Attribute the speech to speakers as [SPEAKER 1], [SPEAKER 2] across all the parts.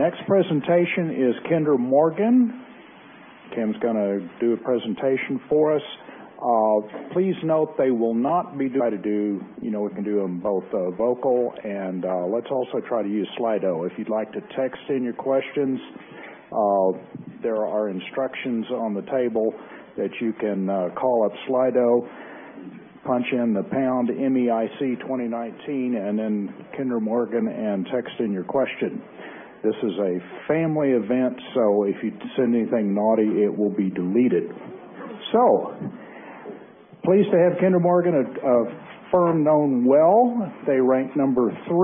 [SPEAKER 1] Next presentation is Kinder Morgan. Kim's going to do a presentation for us. Please note we can do them both vocal and let's also try to use Slido. If you'd like to text in your questions, there are instructions on the table that you can call up Slido, punch in the #MEIC2019, and then Kinder Morgan, and text in your question. This is a family event, so if you send anything naughty, it will be deleted. Pleased to have Kinder Morgan, a firm known well. They rank number 3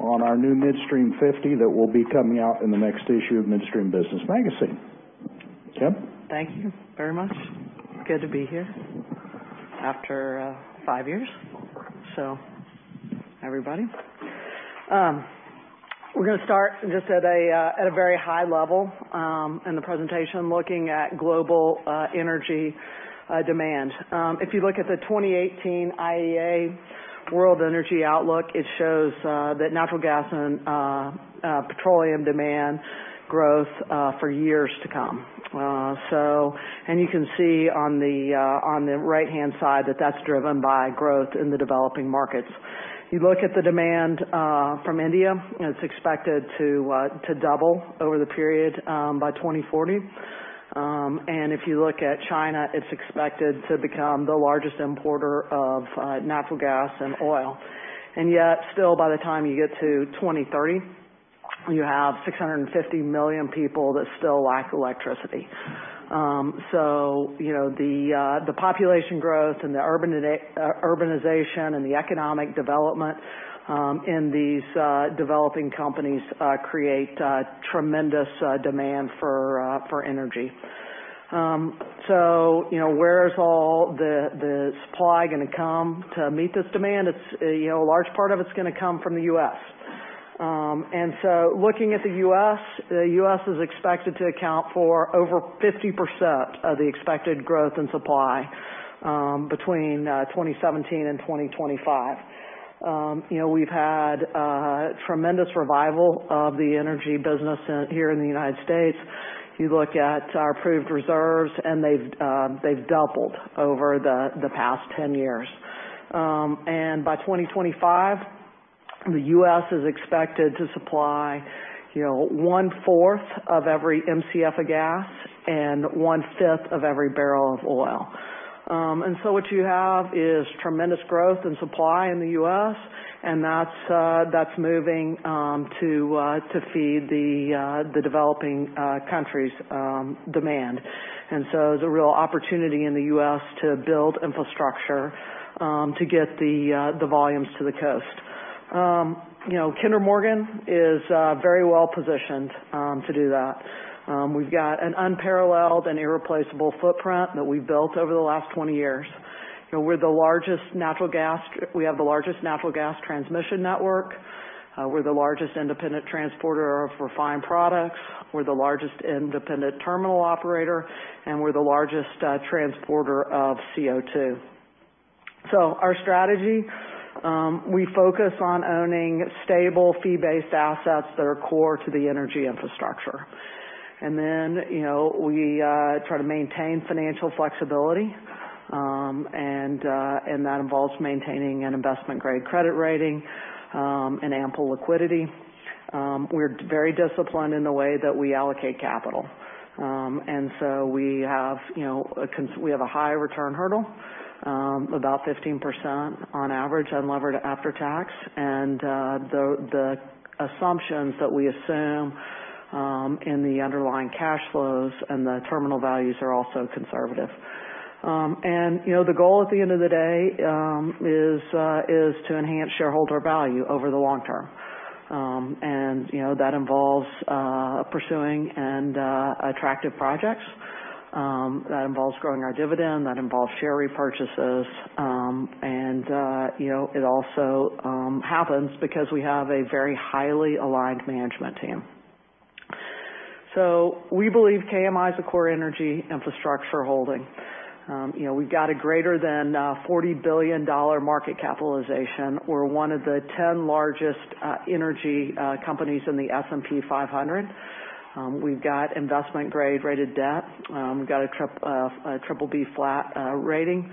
[SPEAKER 1] on our new Midstream 50 that will be coming out in the next issue of Midstream Business Magazine. Kim?
[SPEAKER 2] Thank you very much. Good to be here after five years. Everybody. We're going to start just at a very high level in the presentation, looking at global energy demand. If you look at the 2018 IEA World Energy Outlook, it shows that natural gas and petroleum demand growth for years to come. You can see on the right-hand side that that's driven by growth in the developing markets. You look at the demand from India, and it's expected to double over the period by 2040. If you look at China, it's expected to become the largest importer of natural gas and oil. Yet still, by the time you get to 2030, you have 650 million people that still lack electricity. The population growth and the urbanization and the economic development in these developing companies create tremendous demand for energy. Where is all the supply going to come to meet this demand? A large part of it's going to come from the U.S. Looking at the U.S., the U.S. is expected to account for over 50% of the expected growth in supply between 2017 and 2025. We've had a tremendous revival of the energy business here in the United States. You look at our approved reserves, they've doubled over the past 10 years. By 2025, the U.S. is expected to supply one-fourth of every MCF of gas and one-fifth of every barrel of oil. What you have is tremendous growth in supply in the U.S., and that's moving to feed the developing countries' demand. There's a real opportunity in the U.S. to build infrastructure to get the volumes to the coast. Kinder Morgan is very well-positioned to do that. We've got an unparalleled and irreplaceable footprint that we've built over the last 20 years. We have the largest natural gas transmission network. We're the largest independent transporter of refined products. We're the largest independent terminal operator, and we're the largest transporter of CO2. Our strategy, we focus on owning stable, fee-based assets that are core to the energy infrastructure. Then we try to maintain financial flexibility, and that involves maintaining an investment-grade credit rating and ample liquidity. We're very disciplined in the way that we allocate capital. We have a high return hurdle, about 15% on average unlevered after tax. The assumptions that we assume in the underlying cash flows and the terminal values are also conservative. The goal at the end of the day is to enhance shareholder value over the long term. That involves pursuing attractive projects. That involves growing our dividend, that involves share repurchases. It also happens because we have a very highly aligned management team. We believe KMI is a core energy infrastructure holding. We've got a greater than $40 billion market capitalization. We're one of the 10 largest energy companies in the S&P 500. We've got investment grade rated debt. We've got a BBB flat rating.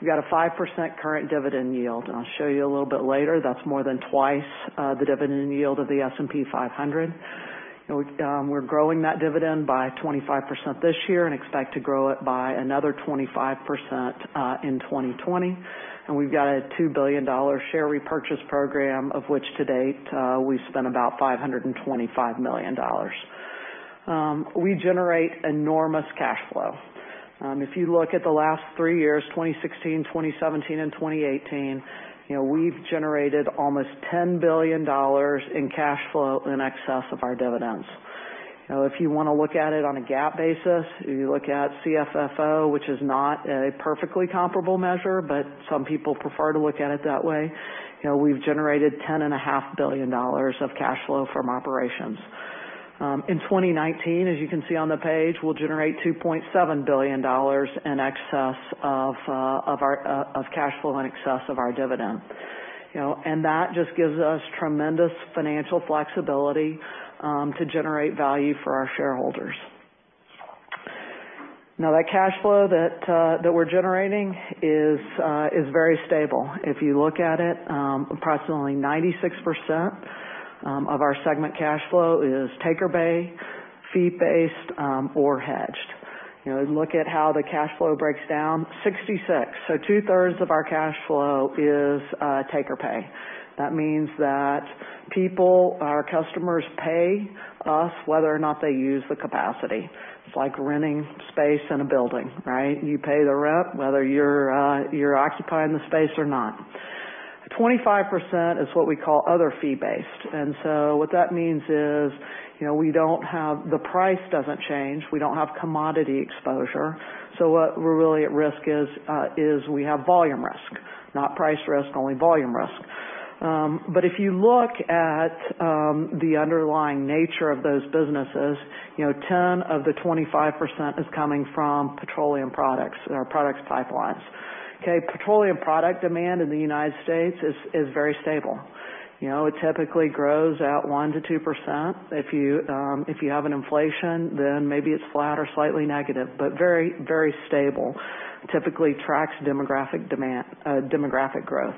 [SPEAKER 2] We've got a 5% current dividend yield, and I'll show you a little bit later, that's more than twice the dividend yield of the S&P 500. We're growing that dividend by 25% this year and expect to grow it by another 25% in 2020. We've got a $2 billion share repurchase program, of which to date, we've spent about $525 million. We generate enormous cash flow. If you look at the last three years, 2016, 2017, and 2018, we've generated almost $10 billion in cash flow in excess of our dividends. If you want to look at it on a GAAP basis, if you look at CFFO, which is not a perfectly comparable measure, but some people prefer to look at it that way, we've generated $10.5 billion of cash flow from operations. In 2019, as you can see on the page, we'll generate $2.7 billion of cash flow in excess of our dividend. That just gives us tremendous financial flexibility to generate value for our shareholders. Now, that cash flow that we're generating is very stable. If you look at it, approximately 96% of our segment cash flow is take-or-pay, fee-based or hedged. Look at how the cash flow breaks down, 66. Two-thirds of our cash flow is take-or-pay. That means that people, our customers pay us whether or not they use the capacity. It's like renting space in a building, right? You pay the rent whether you're occupying the space or not. 25% is what we call other fee-based. What that means is, the price doesn't change. We don't have commodity exposure. What we're really at risk is we have volume risk, not price risk, only volume risk. If you look at the underlying nature of those businesses, 10 of the 25% is coming from petroleum products or products pipelines. Okay. Petroleum product demand in the U.S. is very stable. It typically grows at 1% to 2%. If you have an inflation, maybe it's flat or slightly negative, but very stable. It typically tracks demographic growth.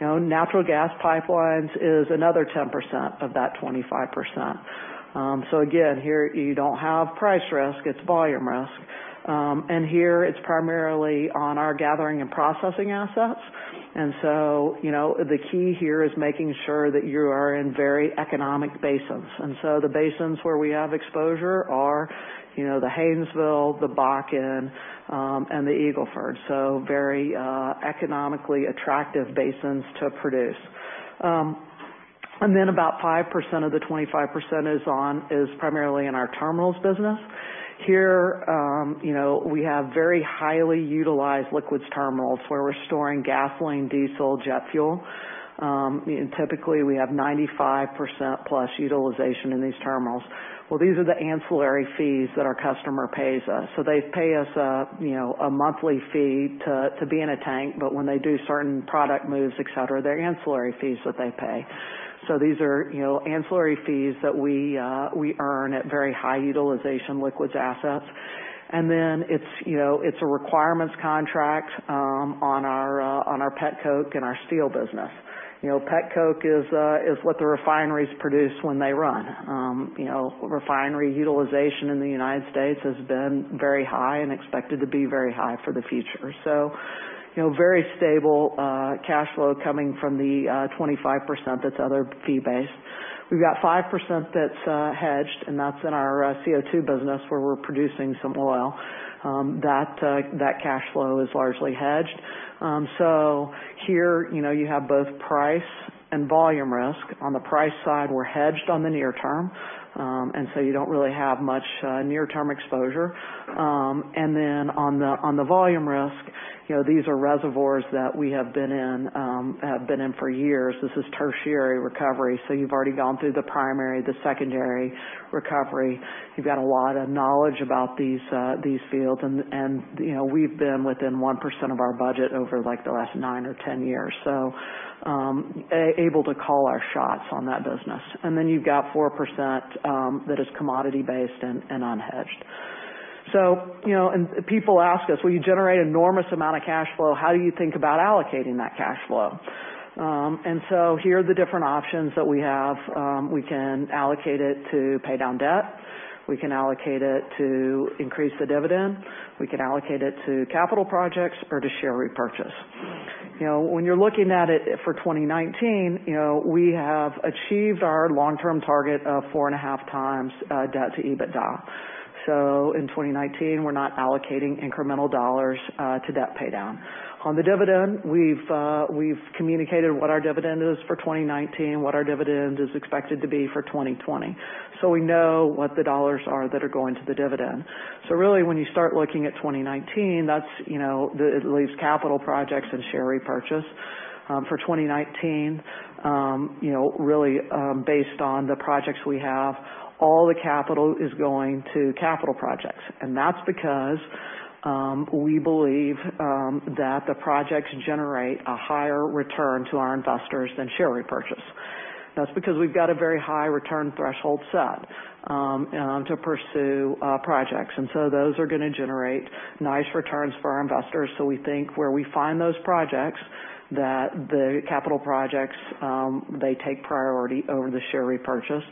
[SPEAKER 2] Natural gas pipelines is another 10% of that 25%. Again, here you don't have price risk. It's volume risk. Here it's primarily on our gathering and processing assets. The key here is making sure that you are in very economic basins. The basins where we have exposure are the Haynesville, the Bakken, and the Eagle Ford. Very economically attractive basins to produce. About 5% of the 25% is primarily in our terminals business. Here we have very highly utilized liquids terminals where we're storing gasoline, diesel, jet fuel. Typically, we have 95% plus utilization in these terminals. Well, these are the ancillary fees that our customer pays us. They pay us a monthly fee to be in a tank. When they do certain product moves, et cetera, they're ancillary fees that they pay. These are ancillary fees that we earn at very high utilization liquids assets. It's a requirements contract on our petcoke and our steel business. Petcoke is what the refineries produce when they run. Refinery utilization in the U.S. has been very high and expected to be very high for the future. Very stable cash flow coming from the 25%. That's other fee-based. We've got 5% that's hedged, and that's in our CO2 business where we're producing some oil. That cash flow is largely hedged. Here you have both price and volume risk. On the price side, we're hedged on the near term. You don't really have much near term exposure. On the volume risk, these are reservoirs that we have been in for years. This is tertiary recovery. You've already gone through the primary, the secondary recovery. You've got a lot of knowledge about these fields. We've been within 1% of our budget over the last 9 or 10 years. Able to call our shots on that business. You've got 4% that is commodity based and unhedged. People ask us, "Well, you generate enormous amount of cash flow. How do you think about allocating that cash flow?" Here are the different options that we have. We can allocate it to pay down debt. We can allocate it to increase the dividend. We can allocate it to capital projects or to share repurchase. When you're looking at it for 2019, we have achieved our long-term target of four and a half times debt to EBITDA. In 2019, we're not allocating incremental dollars to debt paydown. On the dividend, we've communicated what our dividend is for 2019, what our dividend is expected to be for 2020. We know what the dollars are that are going to the dividend. Really when you start looking at 2019, that leaves capital projects and share repurchase. For 2019, really based on the projects we have, all the capital is going to capital projects. That's because we believe that the projects generate a higher return to our investors than share repurchase. That's because we've got a very high return threshold set to pursue projects. Those are going to generate nice returns for our investors. We think where we find those projects, that the capital projects they take priority over the share repurchase.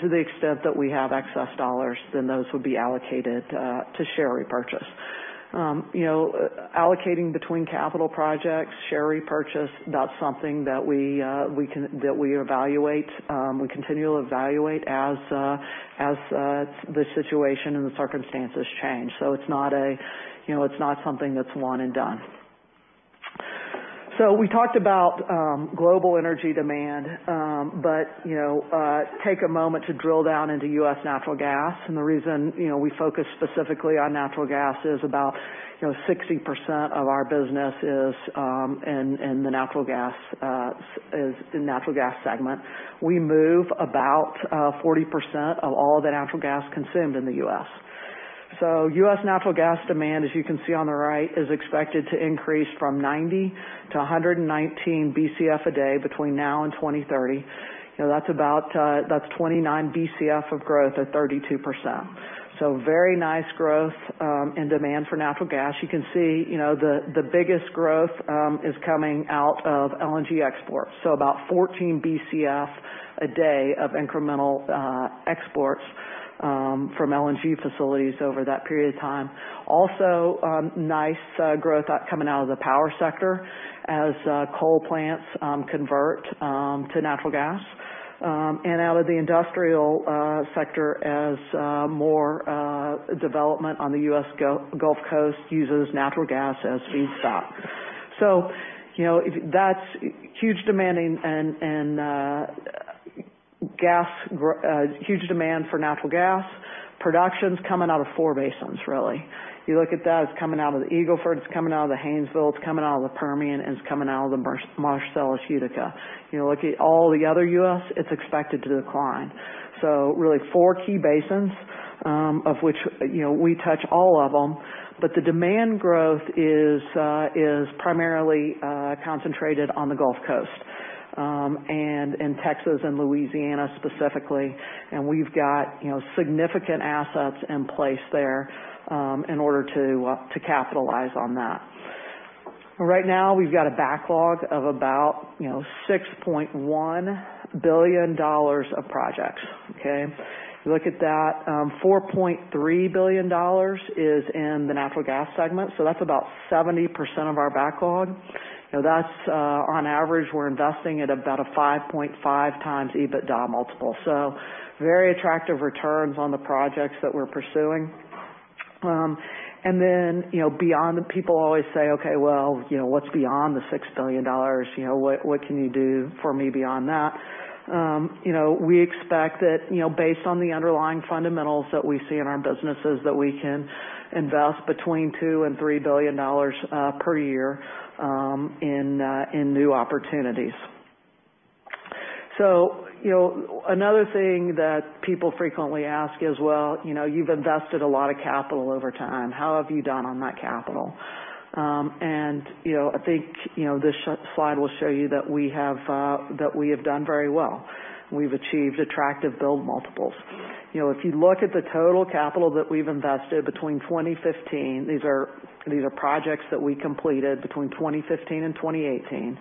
[SPEAKER 2] To the extent that we have excess dollars, then those would be allocated to share repurchase. Allocating between capital projects, share repurchase, that's something that we evaluate, we continually evaluate as the situation and the circumstances change. It's not something that's one and done. We talked about global energy demand. Take a moment to drill down into U.S. natural gas. The reason we focus specifically on natural gas is about 60% of our business is in natural gas segment. We move about 40% of all the natural gas consumed in the U.S. Natural gas demand, as you can see on the right, is expected to increase from 90 to 119 BCF a day between now and 2030. That's 29 BCF of growth at 32%. Very nice growth in demand for natural gas. You can see the biggest growth is coming out of LNG exports. About 14 BCF a day of incremental exports from LNG facilities over that period of time. Nice growth coming out of the power sector as coal plants convert to natural gas, out of the industrial sector as more development on the U.S. Gulf Coast uses natural gas as feedstock. That's huge demand for natural gas. Production's coming out of four basins, really. You look at that, it's coming out of the Eagle Ford, it's coming out of the Haynesville, it's coming out of the Permian, and it's coming out of the Marcellus Utica. If you look at all the other U.S., it's expected to decline. Really four key basins, of which we touch all of them, but the demand growth is primarily concentrated on the Gulf Coast, in Texas and Louisiana specifically. We've got significant assets in place there in order to capitalize on that. Right now we've got a backlog of about $6.1 billion of projects, okay? If you look at that, $4.3 billion is in the natural gas segment, that's about 70% of our backlog. On average, we're investing at about a 5.5x EBITDA multiple. Very attractive returns on the projects that we're pursuing. People always say, "Okay, well, what's beyond the $6 billion? What can you do for me beyond that?" We expect that based on the underlying fundamentals that we see in our businesses, that we can invest between $2 billion and $3 billion per year in new opportunities. Another thing that people frequently ask is, "Well, you've invested a lot of capital over time. How have you done on that capital?" I think this slide will show you that we have done very well. We've achieved attractive build multiples. If you look at the total capital that we've invested between 2015, these are projects that we completed between 2015 and 2018,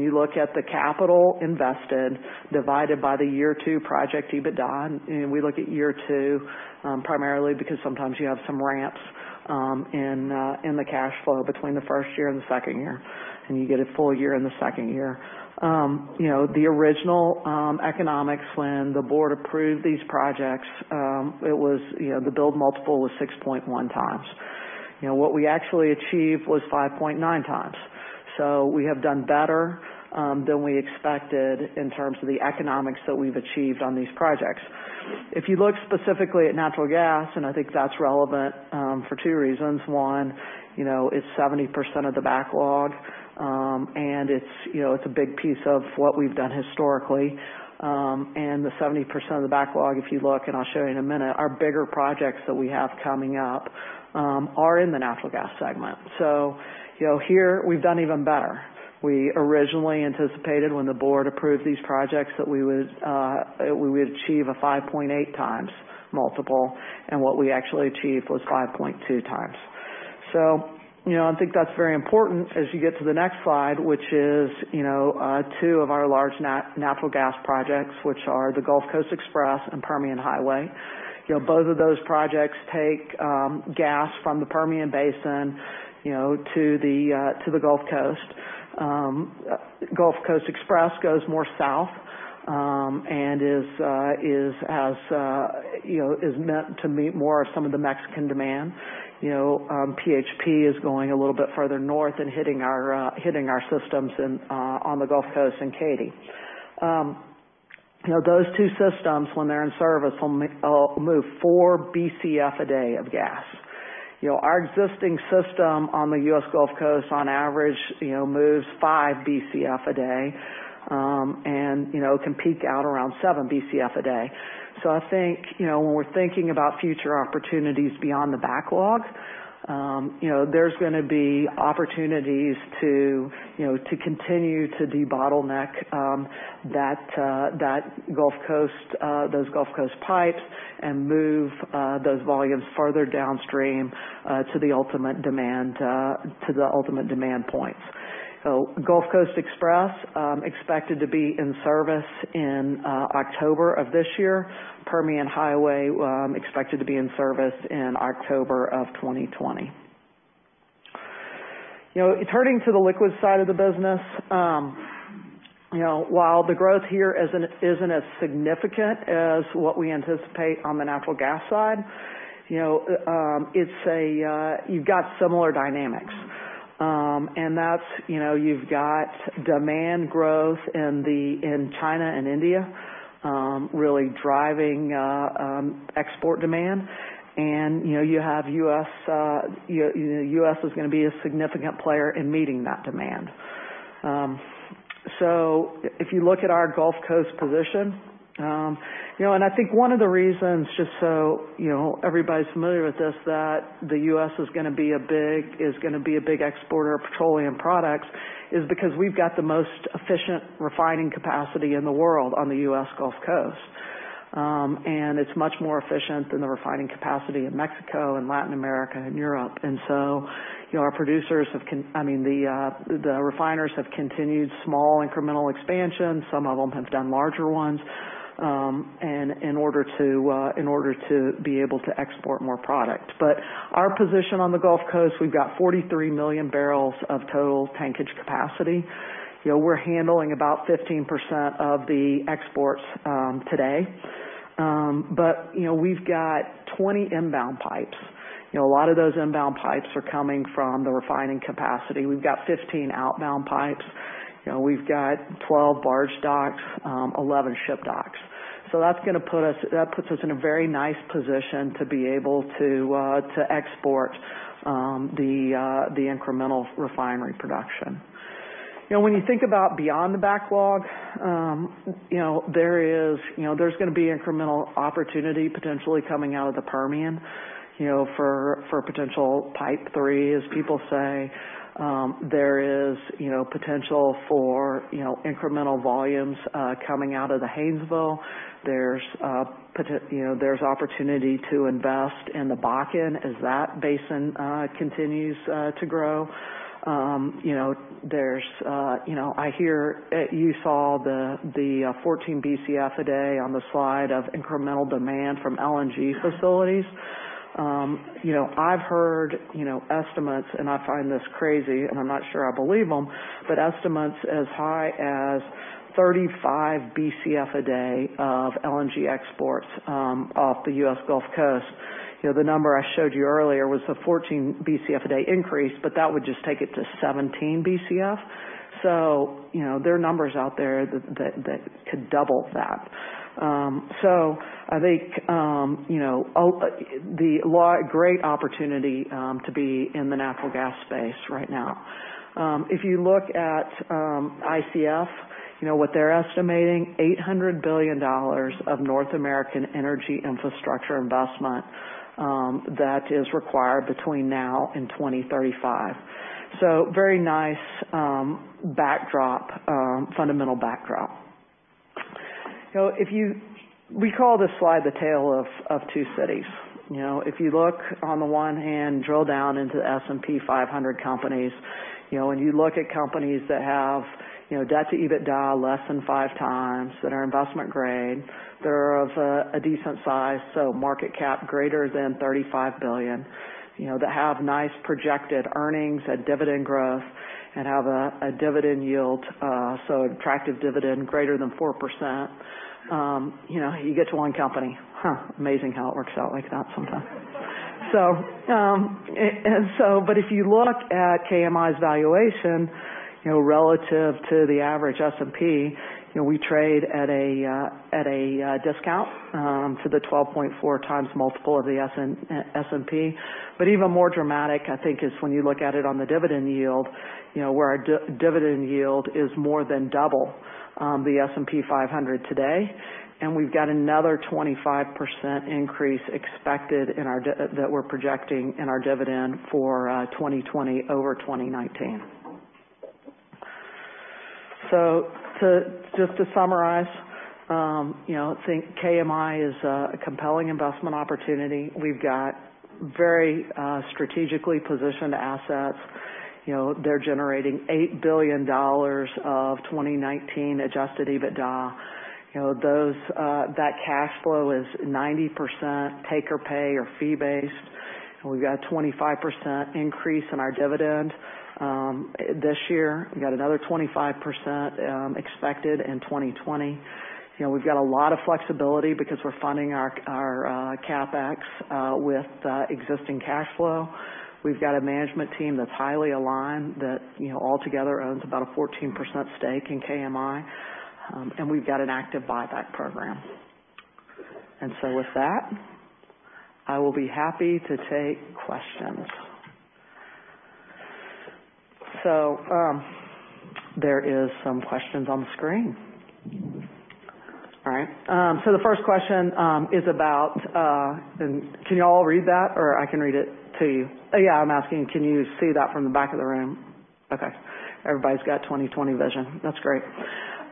[SPEAKER 2] you look at the capital invested divided by the year two project EBITDA, we look at year two, primarily because sometimes you have some ramps in the cash flow between the first year and the second year, you get a full year in the second year. The original economics when the board approved these projects, the build multiple was 6.1x. What we actually achieved was 5.9x. We have done better than we expected in terms of the economics that we've achieved on these projects. If you look specifically at natural gas, I think that's relevant for two reasons. One, it's 70% of the backlog, it's a big piece of what we've done historically. The 70% of the backlog, if you look, I'll show you in a minute, our bigger projects that we have coming up are in the natural gas segment. Here we've done even better. We originally anticipated when the board approved these projects, that we would achieve a 5.8x multiple, what we actually achieved was 5.2x. I think that's very important as you get to the next slide, which is two of our large natural gas projects, which are the Gulf Coast Express and Permian Highway. Both of those projects take gas from the Permian Basin to the Gulf Coast. Gulf Coast Express goes more south, is meant to meet more of some of the Mexican demand. PHP is going a little bit further north and hitting our systems on the Gulf Coast in Katy. Those two systems, when they're in service, will move 4 BCF a day of gas. Our existing system on the U.S. Gulf Coast on average moves 5 BCF a day, and can peak out around 7 BCF a day. I think, when we're thinking about future opportunities beyond the backlog, there's going to be opportunities to continue to debottleneck those Gulf Coast pipes and move those volumes further downstream to the ultimate demand points. Gulf Coast Express expected to be in service in October of this year. Permian Highway expected to be in service in October of 2020. Turning to the liquid side of the business. While the growth here isn't as significant as what we anticipate on the natural gas side, you've got similar dynamics. That's you've got demand growth in China and India really driving export demand, and you have U.S. is going to be a significant player in meeting that demand. If you look at our Gulf Coast position, and I think one of the reasons, just so everybody's familiar with this, that the U.S. is going to be a big exporter of petroleum products, is because we've got the most efficient refining capacity in the world on the U.S. Gulf Coast. It's much more efficient than the refining capacity in Mexico and Latin America and Europe. The refiners have continued small incremental expansions. Some of them have done larger ones in order to be able to export more product. Our position on the Gulf Coast, we've got 43 million barrels of total tankage capacity. We're handling about 15% of the exports today. We've got 20 inbound pipes. A lot of those inbound pipes are coming from the refining capacity. We've got 15 outbound pipes. We've got 12 barge docks, 11 ship docks. That puts us in a very nice position to be able to export the incremental refinery production. When you think about beyond the backlog, there's going to be incremental opportunity potentially coming out of the Permian, for potential pipe three, as people say. There is potential for incremental volumes coming out of the Haynesville. There's opportunity to invest in the Bakken as that basin continues to grow. You saw the 14 BCF a day on the slide of incremental demand from LNG facilities. I've heard estimates, and I find this crazy, and I'm not sure I believe them, but estimates as high as 35 BCF a day of LNG exports off the U.S. Gulf Coast. The number I showed you earlier was the 14 BCF a day increase, but that would just take it to 17 BCF. There are numbers out there that could double that. I think great opportunity to be in the natural gas space right now. If you look at ICF, what they're estimating, $800 billion of North American energy infrastructure investment that is required between now and 2035. Very nice fundamental backdrop. We call this slide the Tale of Two Cities. If you look on the one hand, drill down into the S&P 500 companies, when you look at companies that have debt to EBITDA less than five times, that are investment grade, that are of a decent size, so market cap greater than $35 billion, that have nice projected earnings and dividend growth and have a dividend yield, so attractive dividend greater than 4%. You get to one company. Huh. Amazing how it works out like that sometimes. If you look at KMI's valuation relative to the average S&P, we trade at a discount to the 12.4x multiple of the S&P. Even more dramatic, I think, is when you look at it on the dividend yield, where our dividend yield is more than double the S&P 500 today, and we've got another 25% increase expected that we're projecting in our dividend for 2020 over 2019. Just to summarize, I think KMI is a compelling investment opportunity. We've got very strategically positioned assets. They're generating $8 billion of 2019 adjusted EBITDA. That cash flow is 90% take-or-pay or fee based, and we've got a 25% increase in our dividend this year. We got another 25% expected in 2020. We've got a lot of flexibility because we're funding our CapEx with existing cash flow. We've got a management team that's highly aligned that altogether owns about a 14% stake in KMI. We've got an active buyback program. With that, I will be happy to take questions. There is some questions on the screen. All right. The first question is about Can you all read that, or I can read it to you? Yeah, I'm asking, can you see that from the back of the room? Okay. Everybody's got 20/20 vision. That's great.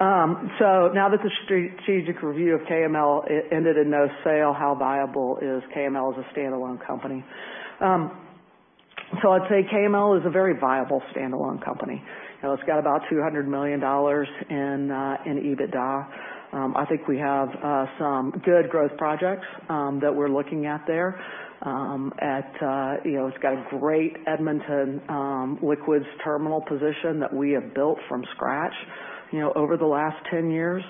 [SPEAKER 2] Now that the strategic review of KML ended in no sale, how viable is KML as a standalone company? I'd say KML is a very viable standalone company. It's got about $200 million in EBITDA. I think we have some good growth projects that we're looking at there. It's got a great Edmonton liquids terminal position that we have built from scratch over the last 10 years.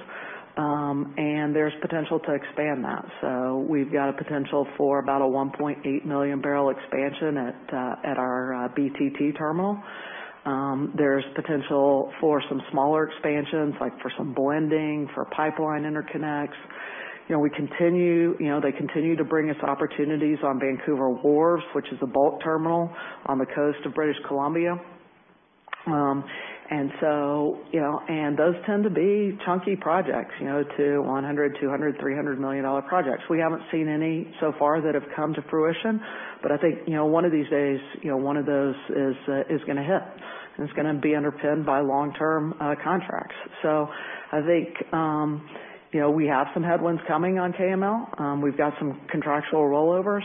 [SPEAKER 2] There's potential to expand that. We've got a potential for about a 1.8 million barrel expansion at our BTT terminal. There's potential for some smaller expansions, like for some blending, for pipeline interconnects. They continue to bring us opportunities on Vancouver Wharves, which is a bulk terminal on the coast of British Columbia. Those tend to be chunky projects, to $100 million, $200 million, $300 million projects. We haven't seen any so far that have come to fruition, but I think, one of these days, one of those is going to hit, and it's going to be underpinned by long-term contracts. I think we have some headwinds coming on KML. We've got some contractual rollovers.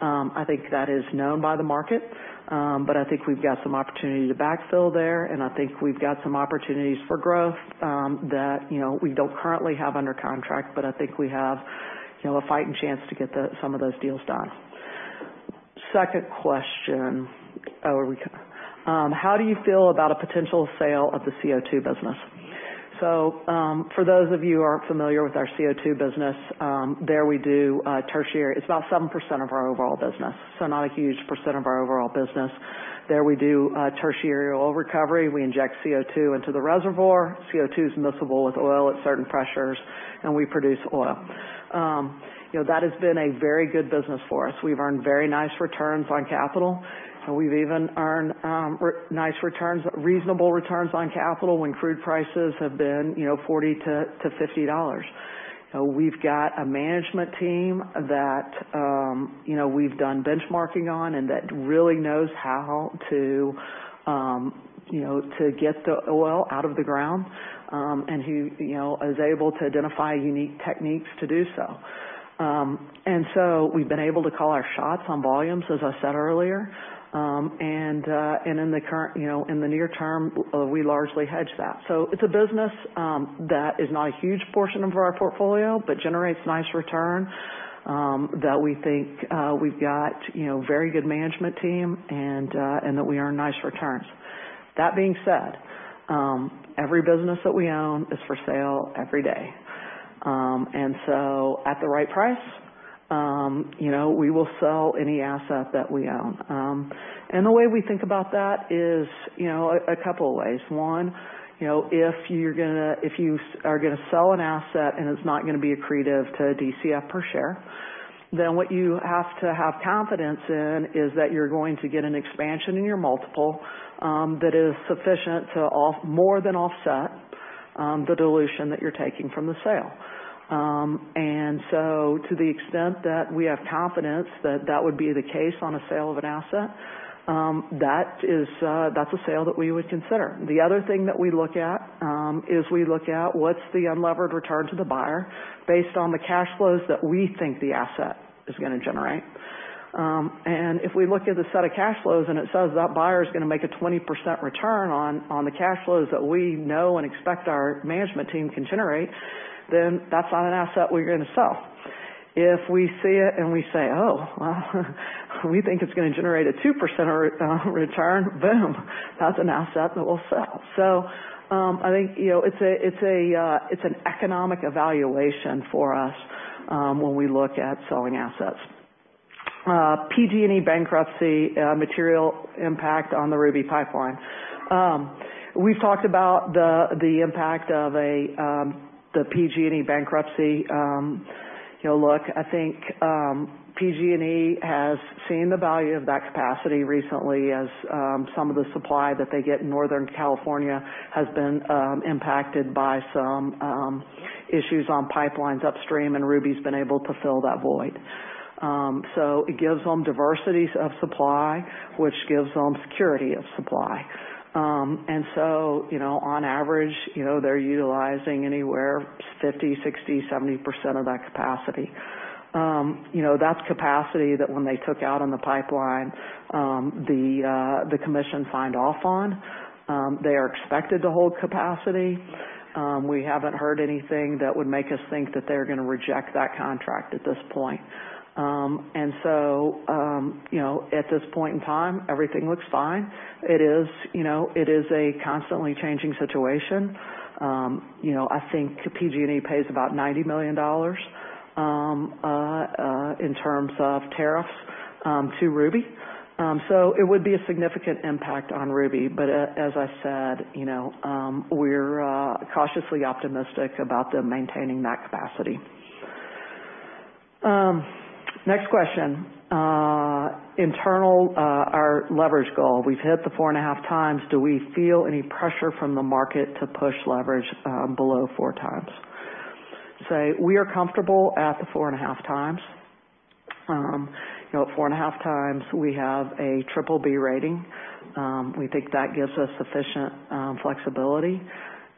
[SPEAKER 2] I think that is known by the market. I think we've got some opportunity to backfill there, and I think we've got some opportunities for growth that we don't currently have under contract, but I think we have a fighting chance to get some of those deals done. Second question. How do you feel about a potential sale of the CO2 business? For those of you who aren't familiar with our CO2 business, there we do tertiary. It's about 7% of our overall business, so not a huge % of our overall business. There we do tertiary oil recovery. We inject CO2 into the reservoir. CO2 is miscible with oil at certain pressures, and we produce oil. That has been a very good business for us. We've earned very nice returns on capital, and we've even earned reasonable returns on capital when crude prices have been $40-$50. We've got a management team that we've done benchmarking on, that really knows how to get the oil out of the ground, and who is able to identify unique techniques to do so. We've been able to call our shots on volumes, as I said earlier. In the near term, we largely hedge that. It's a business that is not a huge portion of our portfolio, but generates nice return, that we think we've got very good management team, and that we earn nice returns. That being said, every business that we own is for sale every day. At the right price we will sell any asset that we own. The way we think about that is a couple of ways. One, if you are going to sell an asset and it's not going to be accretive to DCF per share, then what you have to have confidence in is that you're going to get an expansion in your multiple, that is sufficient to more than offset the dilution that you're taking from the sale. To the extent that we have confidence that that would be the case on a sale of an asset, that's a sale that we would consider. The other thing that we look at is we look at what's the unlevered return to the buyer based on the cash flows that we think the asset is going to generate. If we look at the set of cash flows and it says that buyer is going to make a 20% return on the cash flows that we know and expect our management team can generate, then that's not an asset we're going to sell. If we see it and we say, "Oh, we think it's going to generate a 2% return." Boom, that's an asset that we'll sell. I think it's an economic evaluation for us when we look at selling assets. PG&E bankruptcy material impact on the Ruby Pipeline. We've talked about the impact of the PG&E bankruptcy. Look, I think PG&E has seen the value of that capacity recently as some of the supply that they get in Northern California has been impacted by some issues on pipelines upstream, and Ruby's been able to fill that void. It gives them diversities of supply, which gives them security of supply. On average, they're utilizing anywhere 50, 60, 70% of that capacity. That's capacity that when they took out on the pipeline, the commission signed off on. They are expected to hold capacity. We haven't heard anything that would make us think that they're going to reject that contract at this point. At this point in time, everything looks fine. It is a constantly changing situation. I think PG&E pays about $90 million in terms of tariffs to Ruby. It would be a significant impact on Ruby, but as I said, we're cautiously optimistic about them maintaining that capacity. Next question. Internal, our leverage goal. We've hit the four and a half times. Do we feel any pressure from the market to push leverage below four times? We are comfortable at the 4.5 times. At 4.5 times, we have a BBB rating. We think that gives us sufficient flexibility.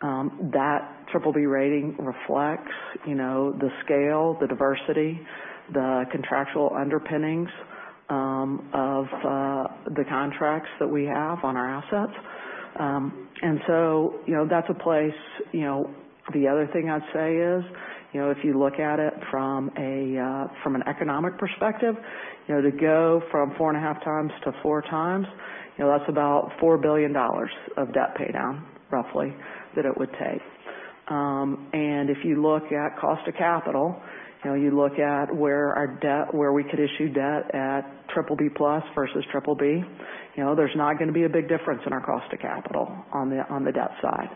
[SPEAKER 2] That BBB rating reflects the scale, the diversity, the contractual underpinnings of the contracts that we have on our assets. That's a place. The other thing I'd say is, if you look at it from an economic perspective, to go from 4.5 times to 4 times, that's about $4 billion of debt paydown, roughly, that it would take. If you look at cost of capital, you look at where we could issue debt at BBB+ versus BBB. There's not going to be a big difference in our cost of capital on the debt side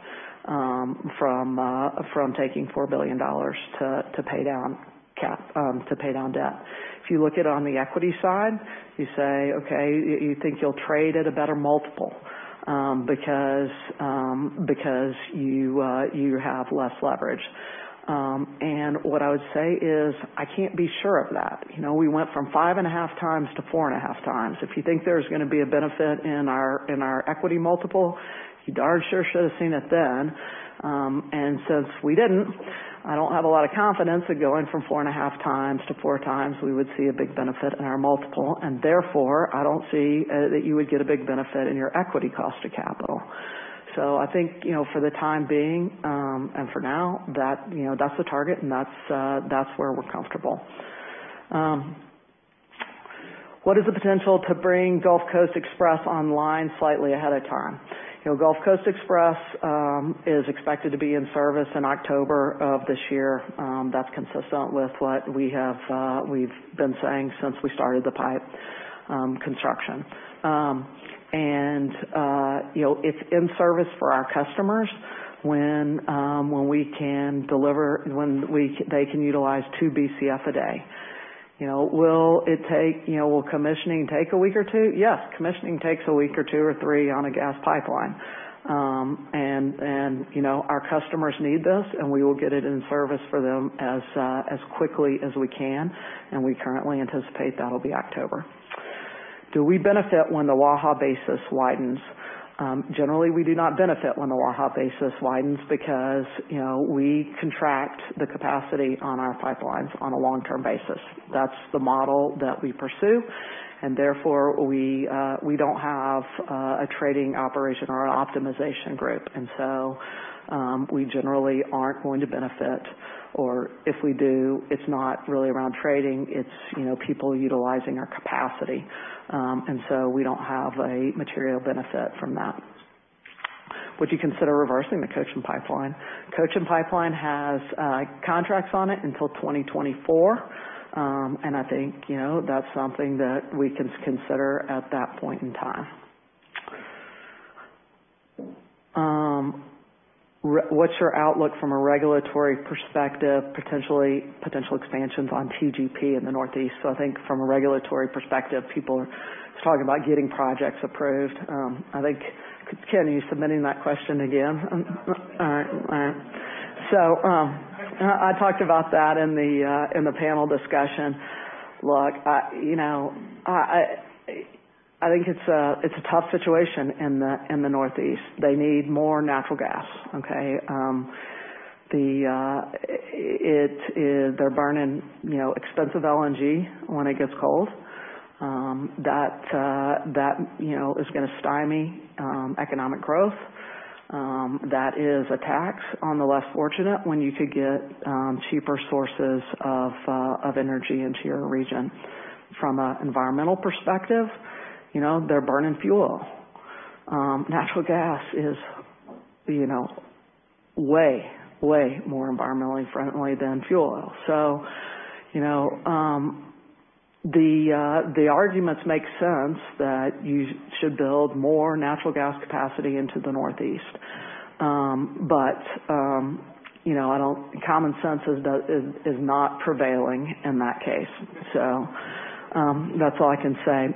[SPEAKER 2] from taking $4 billion to pay down debt. If you look at on the equity side, you say, okay, you think you'll trade at a better multiple because you have less leverage. What I would say is, I can't be sure of that. We went from 5.5 times to 4.5 times. If you think there's going to be a benefit in our equity multiple, you darn sure should've seen it then. Since we didn't, I don't have a lot of confidence that going from 4.5 times to 4 times, we would see a big benefit in our multiple, and therefore I don't see that you would get a big benefit in your equity cost of capital. I think, for the time being, and for now, that's the target and that's where we're comfortable. What is the potential to bring Gulf Coast Express online slightly ahead of time? Gulf Coast Express is expected to be in service in October of this year. That's consistent with what we've been saying since we started the pipe construction. It's in service for our customers when they can utilize 2 BCF a day. Will commissioning take a week or two? Yes, commissioning takes a week or two or three on a gas pipeline. Our customers need this, and we will get it in service for them as quickly as we can, and we currently anticipate that'll be October. Do we benefit when the Waha basis widens? Generally, we do not benefit when the Waha basis widens because we contract the capacity on our pipelines on a long-term basis. That's the model that we pursue, and therefore, we don't have a trading operation or an optimization group. We generally aren't going to benefit or if we do, it's not really around trading, it's people utilizing our capacity. We don't have a material benefit from that. Would you consider reversing the Cochin Pipeline? Cochin Pipeline has contracts on it until 2024. I think that's something that we can consider at that point in time. What's your outlook from a regulatory perspective, potential expansions on TGP in the Northeast? I think from a regulatory perspective, people are talking about getting projects approved. I think, Ken, are you submitting that question again? All right. I talked about that in the panel discussion. Look, I think it's a tough situation in the Northeast. They need more natural gas, okay? They're burning expensive LNG when it gets cold. That is going to stymie economic growth. That is a tax on the less fortunate when you could get cheaper sources of energy into your region. From an environmental perspective, they're burning fuel. Natural gas is way more environmentally friendly than fuel oil. The arguments make sense that you should build more natural gas capacity into the Northeast. Common sense is not prevailing in that case. That's all I can say.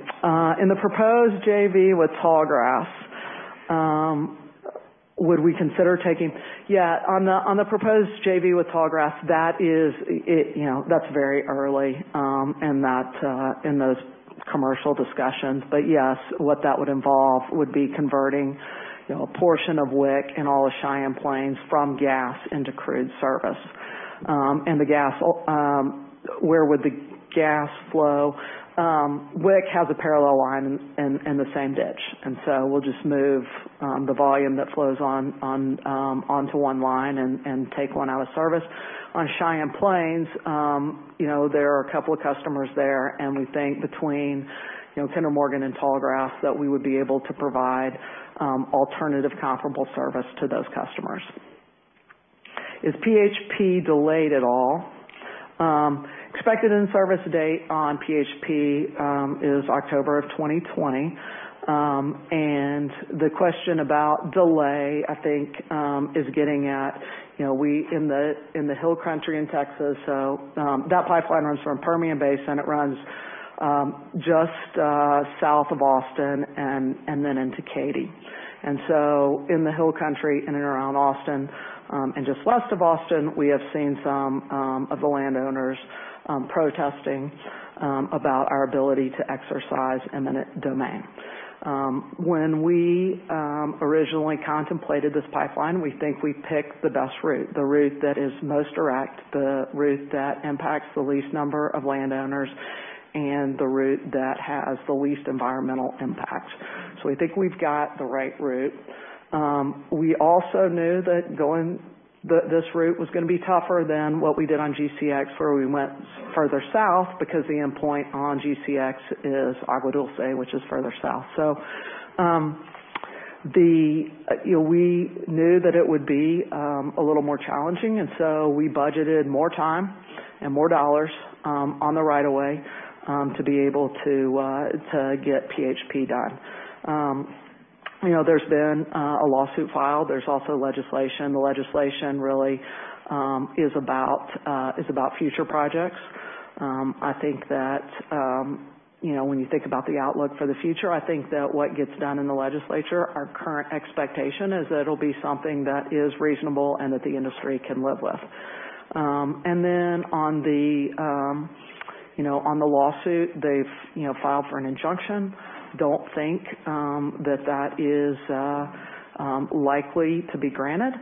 [SPEAKER 2] In the proposed JV with Tallgrass, would we consider taking? On the proposed JV with Tallgrass, that's very early in those commercial discussions. Yes, what that would involve would be converting a portion of WIC and all of Cheyenne Plains from gas into crude service. Where would the gas flow? WIC has a parallel line in the same ditch, we'll just move the volume that flows onto one line and take one out of service. On Cheyenne Plains, there are a couple of customers there, we think between Kinder Morgan and Tallgrass that we would be able to provide alternative comparable service to those customers. Is PHP delayed at all? Expected in-service date on PHP is October of 2020. The question about delay, I think is getting at we in the Hill Country in Texas. That pipeline runs from Permian Basin. It runs just south of Austin and into Katy. In the Hill Country and around Austin, just west of Austin, we have seen some of the landowners protesting about our ability to exercise eminent domain. When we originally contemplated this pipeline, we think we picked the best route, the route that is most direct, the route that impacts the least number of landowners, and the route that has the least environmental impact. We think we've got the right route. We also knew that going this route was going to be tougher than what we did on GCX, where we went further south because the endpoint on GCX is Agua Dulce, which is further south. We knew that it would be a little more challenging, we budgeted more time and more dollars on the right of way to be able to get PHP done. There's been a lawsuit filed. There's also legislation. The legislation really is about future projects. When you think about the outlook for the future, I think that what gets done in the legislature, our current expectation is that it'll be something that is reasonable and that the industry can live with. On the lawsuit, they've filed for an injunction. Don't think that that is likely to be granted.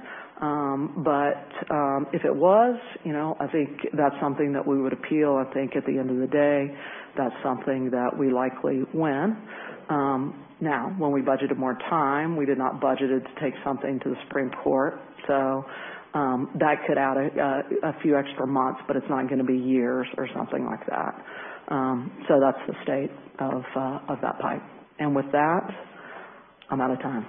[SPEAKER 2] If it was, I think that's something that we would appeal. I think at the end of the day, that's something that we likely win. Now, when we budgeted more time, we did not budget it to take something to the Supreme Court. That could add a few extra months, but it's not going to be years or something like that. That's the state of that pipe. With that, I'm out of time.